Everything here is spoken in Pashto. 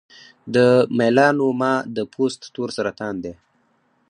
د میلانوما د پوست تور سرطان دی.